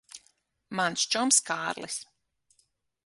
Mans čoms Kārlis.